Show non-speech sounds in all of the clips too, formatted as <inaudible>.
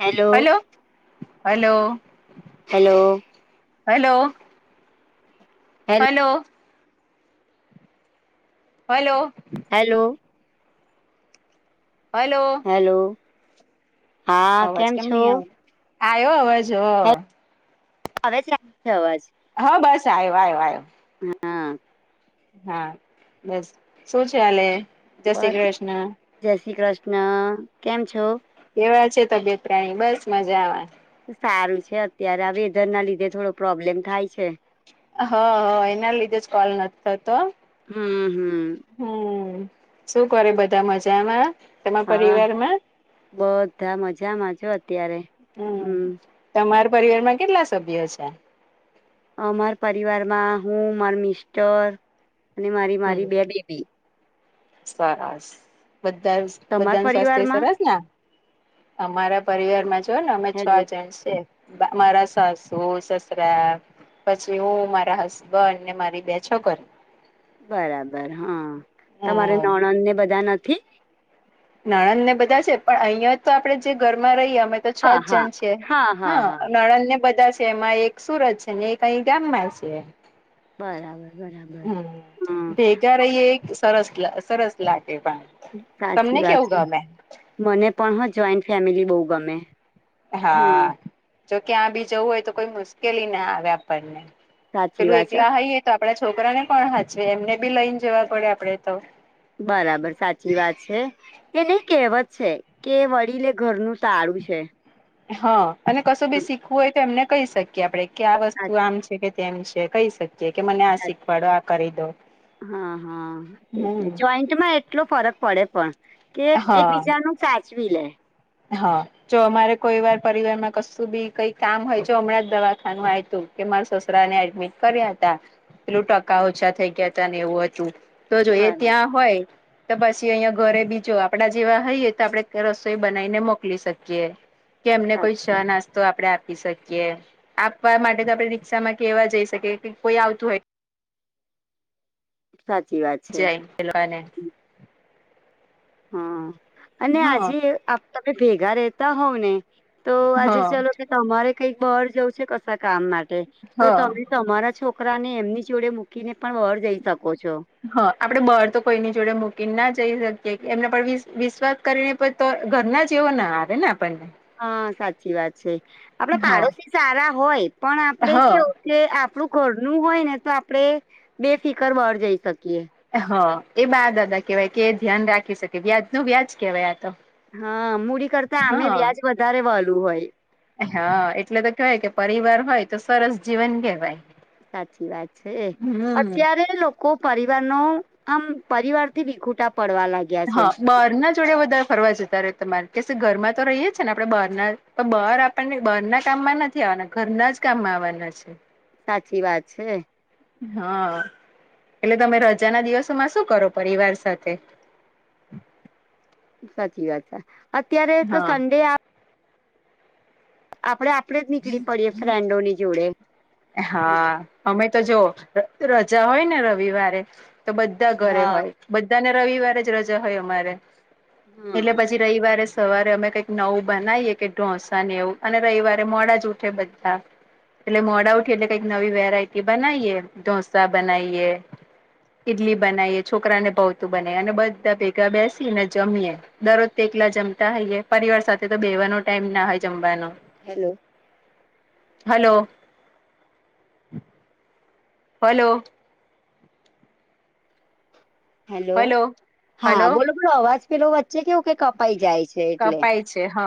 Hello hello hello. Hello. Hello hello hello. Hello. Hello. Hello. Hello હા અવાજ કેમ છો? નહી આવે આવ્યો હવે જો. હવે જ રાખ છે અવાજ. હા બસ આવ આવ આવ્યો. હા. હા, બસ શું છે હલે? બસ જય શ્રી કૃષ્ણ કેમ છો? કેવા છે તબિયત? મજા આવેવા. સારું છે અત્યારે આ વેધર ના લીધે થોડો પ્રોબ્લેમ થાય છે. હ હ એના લીધે જ કોલ નથી થતો. હમ હમ હમ શું કરે બધા મજામાં તમારા હા પરિવારમાં? બધા મજામાંજો હમ, તમારા પરિવારમાં કેટલા સભ્યો છે? અ મારા પરિવારમાં હું માર મિસ્ટર, અને મારી હમ મારી બે બેબી. સરસ, બધા તમાર બધાનું સ્વાસ્થ્ય પરિવારમાં સરસ ને. અમારા પરિવારમાં જો ને અમે છ હેલો જણ છ. મારા સાસુ સસરા. પછી હું મારા હસબન્ડ ને મારી બે છોકરી. બરાબર હા તમારે હમ નણન ને બધા નથી? નાણંદ ને બધા છે પણ અહિયાં તો આપડે જે ઘરમાં રહીએ અમે તો છ જ જન છે હા નણંદ ને બધા છે એમાં એક સુરત છે ને એક અહી ગામ માં છે. બરાબર. બરાબર હા હમ એક સરસ લાગે પણ. તમને સાચી વાત કેવું છે, ગમે મને પણ હો જોઈન્ટ ફેમિલી બહુ ગમે. હા, જોકે આ બી જવું હોય તો કોઈ મુશ્કેલી ના આવે આપણને. સાચી પેલું વાત છે એકલા હઈએ તો આપડા છોકરાને પણ હાચવે એમને બી લઈને જવા પડે આપડે તો. બરાબર સાચી વાત છે, એ ન કેવત છે કે વડીલે ઘરનું તારું છે. હા અને કશું ભી હમ શીખવું હોય તો એમને કહી શકીએ આપડે કે આ વસ્તુ આમ છે કે તેમ વિશે કહી શકીએ કે મને આ અચ્છા શીખવાડો આ કરી દો, હમ. એમાં એટલો ફરક પડે પણ કે એક હા બીજા ન સાચવી લે. હા જો અમારે કોઈ વાર પરિવાર માં કશું બી કઈ કામ હોય, જો હમણાં જ દવાખાનું આય તો. કે મારા સસરાને એડમિટ કર્યા હતા, પેલું ટકા ઓછા થઈ ગયા હતા ને એવું હતું. તો જો એ બરાબર ત્યાં હોય, તો પછી અહંયા ઘરે બીજો આપડા જેવા હઈએ તો આપડે રસોઈ બનાને મોકલી શકીએ, કે એમને સાચી કોઈ ના તો આપડે આપી શકીએ, આપવા માટે તો આપડે રિક્ષામાં કેવા જઈ શકીએ કે કોઈ આવતું હોય. સાચી વાત છે. એને હા, અને હા આજે તમે ભેગા રહેેતા હોવ ને. તો આજે હા ચલો કે તમારે કઈક બહાર જવું છે કશ કામ માટે, તો હા તમે તમારા છોકરા ને એમની જોડે મૂકીને પણ વહર જઈ શકો છો. હ આપડે બહાર તો કોઈની જોડે મૂકીને ના જઈ શકીએ એમના પર વિ વિશ્વા કરીને પ ો ઘરના ના આવે ને આપણને હા સાચી વાત છે, આપડે હા પાડોશી સારા હોય પણ આપડે હા કેવુ કે આપણું ઘર નું હોય ને તો આપડે બે ફિકર બાર જે શકીએ હ એ બા દાદા કેવાય કે ધ્યાન રાખી શકે વ્યાજ નુ વ્યાજ કેવાય આ તો હ મૂડી કરતા આમે હા વ્યાજ વધારે વાલુ હોય હા એટલે તો કેવાય કે પરિવાર હોય તો સરસ જીવન કેહેવાય સાચી વાત છે, અત્યારે લો કો પરિવારનો આમ પરિવાર થી વિખુટા પડવા લા હ બારના જ જોડે વધારે ફરવા જતા રે તમારે કશે ઘરમાં તો રહીએ છે, ને આપડે બહારના બાર પણ બહારના કામમાં નથી આવવાના ઘરના જ કામ આવવાના છે. સાચી વાત છે. હ એટલે તમે રજાના દિવસોમાં શું કરો પરિવાર સાથે સાચી વાત છે, અત્યારે તો હા સડે આ આપડે આપડે જ નીકળી પડીએ ફ્રેન્ડોની જોડે હમ હા અમે તો જોઓ રજા હોય ને રવિવારે તો બધા ઘરે હા હોય બધાને રવિવાર જ રજા હોય અમારે હમ એટલે પછી રયવારે સવારે અમે કઈક નવું બનાવીએ કે ઢોસા નેવું અને રવિવા મોડા જ ઉઠે બધા એટલે મોડા ઉઠી એટલે કઈક નવી વેરાયટી બનાવીએ ઢોંસા બનાવીએ ઇડલી બનાવીએ છોકરા ને ભાવતું બનાવીએ અને બધા ભેગા બેસી ને જમીએ દરરોજ તે એકલા જમતા હોઈય પરિવાર સાથે તો બેવાનો ટાઈમ ના હોય જમવાનો hello. Hello. Hello. Hello hello હા હલો બોલો બોલો અવાજ પેલો વચ્ચે કેવું કે કપાઈ જાય છે એટલે કપાય છે, હ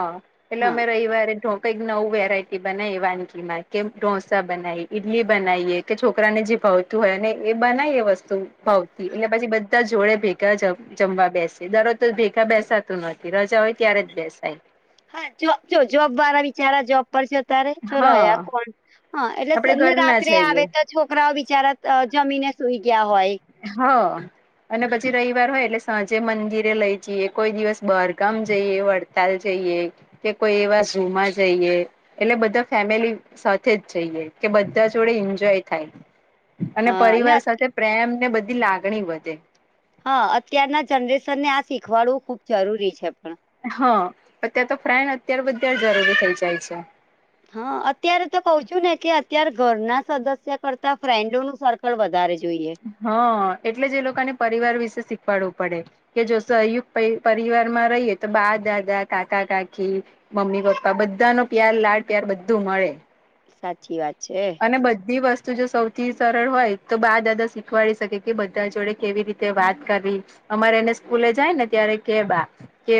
એટલે હા અમે રવિવારે ઠો કંઈક નવું વેરાયટી બનાવી વાનગી માં કે ઢોસા બનાવી ઇડલી બનાવીએ કે છોકરાને જે ભાવતું હોય અને બનાય એ વસ્તુ ભાવતી એટલે પછી બધા જોડે ભે ગા જમવા બેસે દરરોજ ભેગા બેસાતું નથી રજા હોય ત્યારે જ બેસાય હા જો જો જોબ વાળા વિચારા જોબ પર રેય તો રહ્યા હા કોણ આપડે હ ને ઘરના રાત્રે જઈએ આવે તો છોકરાઓ બિચારા અ જમીને સુઈ ગયા હોય હ. અને પછી રયવાર હોય એટલે સાંજે મંદિરે લઈ જીએ કોય દિવસ બહારગામ જઈએ વળ તાલ જઈએ કે કોઈ એવા ઝૂમાં જઈએ એટલે બધા ફેમિલી સાથે જ જઈએ કે બધા જોડે એન્જોય થાય અને હા ને પરિવાર સાથે પ્રેમ ને બધી લાગણી વધે હ અત્યારના જનરેશનને આ શીખવાડવું ખૂબ જરૂરી છે, પણ હ અત્યાં તો ફ્રાયન અત્યારે બધ જરૂરી થઈ જાય છે. હ અત્યારે તો કઉ છું ને કે અત્યારે ઘરના સદસ્ય કરતા ફ્રેન્ડોનું સર્કલ વધારે જોઈએ હ એટલે જ એ લોકોને પરિવાર વિશે શીખવાડવું પડે કે જો સયુક્ત પય પરિવારમાં રહીએ તો બા દાદા કાકા કાકી મમ્મી પપ્પા બધાનો લાડ પ્યાર બધું મળે સાચી વાત છે. અને બધી વસ્તુ જો સૌથી સરળ હોય તો બા દાદા શીખવાડી શકે કે બધા જોડે કેવી રીતે વાત કર, અમારે એને સ્કૂલે જાય ને ત્યારે કે બા કે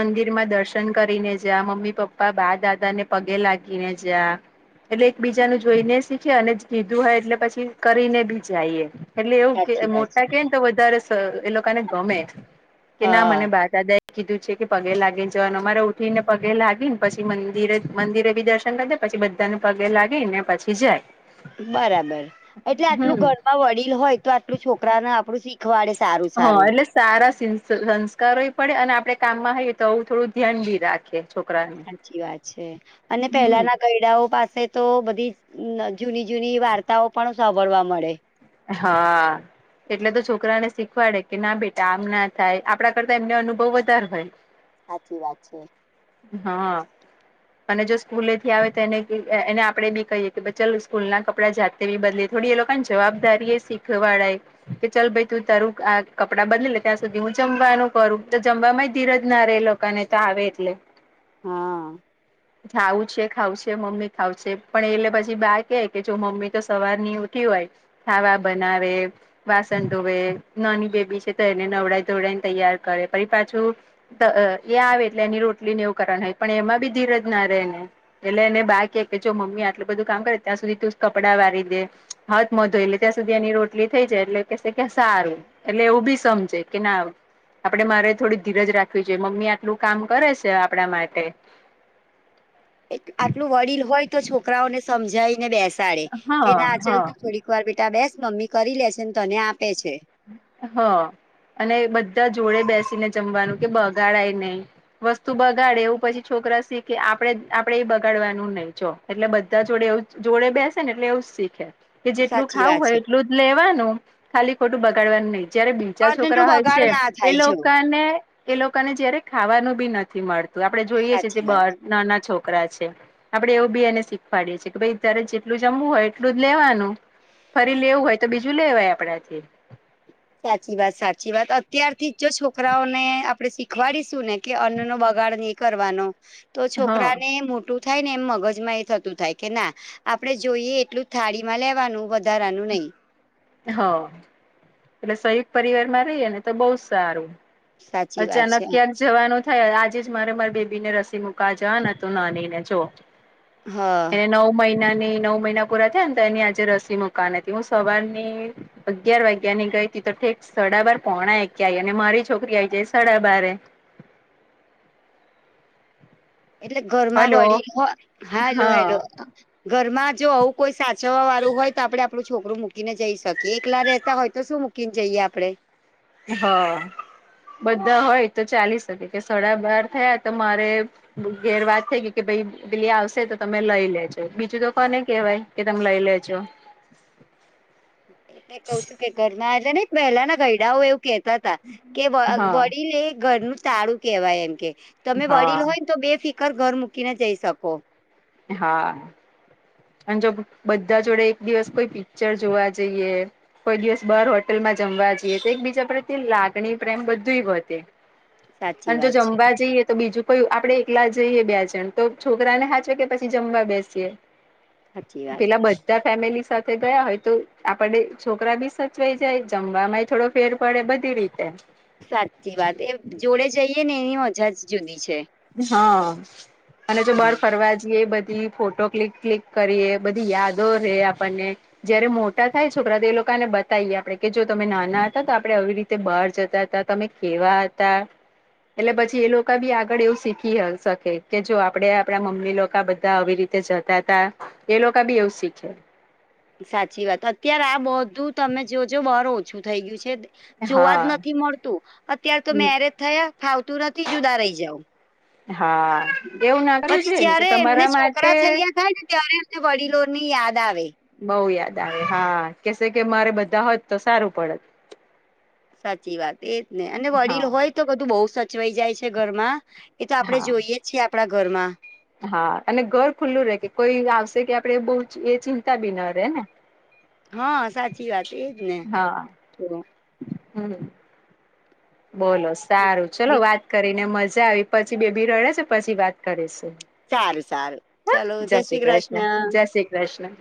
મંદિરમાં દર્શન કરીને જ મમ્મી પપ્પા બા દાદા ને પગે લાગીને જ. એટલે એકબીજા ને જોઈને શીખેએ અને કીધું હોય એટલે પછી કરીને બી જઈએ. એટલે સાચી એવું વાત છે. મોટા કે ને તો વધારે એ લોકોને ગમે, કે ના મને હા બા દાદા કીધું છે કે પગે લાગી ને જવાને અમારે ઉઠી ને પગે લાગી ને પછી મંદિરે મંદિરે ભી દર્શન કરી દે. પછી બધાને પગે લાગી ને પછી જાય. બરાબર, એટલે આટલું હમ ઘરમાં વડીલ હોય તો આટલું છોકરાને આપણું શીખ હા એટલે સારા સંસ્કારો પડે અને આપડે કામ હાઈએ તો આવું થોડું ધ્યાન બી રાખે. છોકરાને સાચી વાત છે, અને હમ પેલાના ગયડાઓ પાસે તો બધી જૂની જૂની વાર્તાઓ પણ સાંભળવા મળે. હા. એટલે તો છોકરાને શીખવાડે કે ના બેટા આમ ના થાય આપડા કરતા એમને અનુભવ વધારે હોય. <inaudible> હાચી વાત છે. હા. અને જો સ્કૂલે થી આવે તો એને એને આપડે બી કહીએ કે ચાલ સ્કૂલ ના કપડા જાત તેવી બદલે થોડી એ લોકોને જવાબદારી એ શીખવાડાય એ. કે ચાલ ભાઈ તું તારું આ કપડાં બદલે લે ત્યાં સુધી જમવાનું કરું તો જમવા ધીરજ ના રહે લો કાને તો આવે એટલે, હા ખાવું છે ખાવુ છે મમ્મી. ખાવશે પણ એલે પછી બા કે કે જો મમ્મી તો સવાર ની ઉઠી હોય. ખાવા બનાવે. વાસણ ધોવે નાની બેબી છે તો એને નવડાઈ ધોવડાઈને તૈયાર કરે પરી પાછું. એ આવે એટલે એની રોટલી ને હોય પણ એમાં બી ધીરજ ના રહે ને. એટલે એને બા કે કે જો મમ્મી આટું બધું કામ કરે ત્યાં સુધી તું કપડાં વારી દે. મધો એટલે ત્યાં સુધી એની રોટલી થઈ જાય એટલે કે કે સારું એટલે એવું બી સમજે કે ના. આપડે મારે થોડી ધીરજ રાખવી જોઈએ મમ્મી આટલું કામ કરે છે આપડા માટે. આટલું વડીલ હોય તો છોકરાઓને સમજાય ને બેસાડે, કે હા ના ચાલ હા તો થોડી એકવાર બેટા બેસ મમ્મી કરી લે છે ને તને આપે છે. હ અને બધા જોડે બેસીને જમવાનું કે બગાડાય નહી. વસ્તુ બગાડે એવું પછી છોકરા શીખે આપડે આપડે એ બગાડવાનું નહી જો. એટલે બધા જોડે જોડે બેસે ને એટલે એવું જ શીખે. કે જેટલું સાચી ખાવું વાત હોય છે એટલું જ લેવાનું. ખાલી ખોટું બગાડવાનું નહી જયારે બીજા અન્નનો છોકરા હોય બગાડ છે, ના એ થાય જો લોકાને એ લોકોને જયારે ખાવાનું બી નથી મળતું આપડે જોઈએ છીએ જે સાચી બ વાત નોના છો છોકરા છે, આપડે એવું બી એને શીખવાડીએ કે ભાઈ તારે જેટલું જમવું હોય એટલું જ લેવાનું. ફરી લેવું હોય તો બીજું લેવાય આપડાથી. સાચી વાત સાચી વાત અત્યારથી જ જો છોકરાઓને આપડે શીખવાડીશું ને. કે અન્ન નો બગાડ નહીં કરવાનો, તો હા છોકરાને મોટું થાય ને એમ મગજમાં એ થતું થાય કે ના, આપડે જોઈએ એટલું થાળી માં લેવાનું વધ ધારાનું નહી હ, એટલે સંયુક્ત પરિવારમાં રહીએ ને તો બહું સારું. સાચી વાત છે અચાનક ક્યા જવાનું થાય આજે જ મારે મારી બેબી ને રસી મુકવા જવાને હતું નાનીને જો. હા એને નવ મહિના ની નવ મહિના પૂરા થયા ને તો એની આજે રસી મુકવાની હતી હું સવારની અગિયાર વાગ્યાની ગઈ હતી તો ઠેક સડાબાર પોણા એકે આવી અને મારી છોકરી આ જે સાડા બારે. એટલે ઘરમાં હલો વડીલ હો હા હેલો હેલો ઘરમાં જો આવું કોઈ સાચ જોવા વાળું હોય તો આપડે આપડું છોકરું મૂકીને જઈ એકલા રહેતા હોય શું મૂકીને જઈએ આપડે. હા, બધા હોય તો ચાલી શકે કે સડા બાર થયા તો મારે ઘેર વાત થઈ ગય કે ભઈ પેલી આવશે તો તમે લઈ લેજો બીજું તો કોને કહેવાય. કે તમે લઈ લેજો. મેં કહું છું કે ઘરના જે ને પહેલા ના ઘયડાઓ એવું કેહેતા તા કે હા વડીલ એ ઘરનું તાળું કેહેવાય એમ કે તમે વડીલ હા હોયને તો બે ફિક ઘર ઘર મૂકીને જઈ શકો. એ હા. એમ જો બધા જોડે એક દિવસ કોઈ પિક્ચર જોવા જઈએ કોઈ દિવસ બાર હોટલમાં જમવા જઈએ તો એકબીજા પપ્રતિ લાગણી પ્રેમ બધું હી બોહતે. સાચી અને વાત જો છે જમવા બીજું કોઈ આપડે એકલા જઈએ બે જણ તો છોકરાને હાચવે કે પછી જમવા બેસીએ. સાચી વાત પેલા બચ બધા ફેમિલી સાથે ગયા હોય તો આપડે છોકરા બી સચવાઈ જાય જમવા માંય થોડો ફેર પડે બધી રીતે. સાચી વાત એ જોડે જઈએ ને એની મજા જ જુદી છે. હા અને જો બાર હમ, ફરવા જઈએ બધી ફોટો ક્લિક ક્લિક કરી એ બધી યાદો રે આપણને જયારે મોટા થાય છોકરા તો લોકોને બતાવીએ આપડણે જો તમે નાના હતા તો આપડે આવી રીતે બહાર જતા હતા. તમે કેવા હતા એટલે પછી એ લોકો બી આગળ એવું શીખી હ શકે કે જો આપડે આપડા મમ્મી લોકો બધા આવી રીતે જતા તા એ લોકા બી એવું શીખે. સાચી વાત અત્યારે આ બધું તમે જોજો બહાર ઓછું થઈ ગયું છે. જોવા જ હા નથી મળતું અત્યાર તો મેરેજ થયા ફાવતું નથી જુદા રહી જાવ. એ હા. એવું ના કરવું પછી જોઈએ ને કે જ્યારે એમને તમારા માટે છોકરા થૈયા થાય ને ત્યારે એમને વડીલો ની યાદ આવે. બઉુ યાદ આવે હા કેસે કે મારે બધા હોત તો સારું પડત. સાચી વાત એજ ને અને વડીલ હા હોય તો બધું બહુ સચવાઈ જાય છે ઘરમાં એ તો આપડે હા જોઈએ છીએ આપડા ઘરમાં. હા અને ઘર ખુલ્લું રે કે કોઈ આવશે કે આપડે બહુ એ ચિંતા બી ના રેહ ને. હ સાચી વાત. એજ ને હા, તો હમ્મ. બોલો સારું ચલો વાત કરીને મજા આવી પછી બેબી રડે છે પછી વાત કરીશું. સારું સારું હા ચલો. જય શ્રી કૃષ્ણ. જય શ્રી કૃષ્ણ